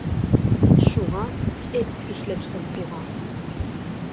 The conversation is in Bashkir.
Шуға эт «һөсләттем» уға.